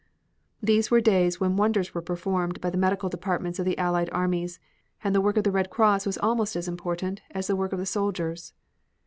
These were days when wonders were performed by the Medical Departments of the Allied armies, and the work of the Red Cross was almost as important as the work of the soldiers.